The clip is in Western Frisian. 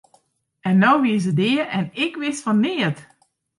En no wie se dea en ik wist fan neat!